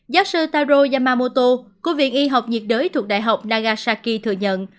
giáo sư taro yamamoto của viện y học nhiệt đới thuộc đại học nagasaki thừa nhận